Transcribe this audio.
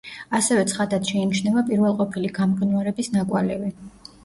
ასევე ცხადად შეიმჩნევა პირველყოფილი გამყინვარების ნაკვალევი.